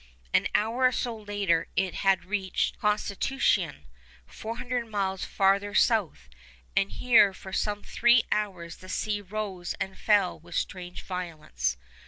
An hour or so later it had reached Constitucion, 450 miles farther south; and here for some three hours the sea rose and fell with strange violence.